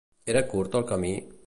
Era curt el camí?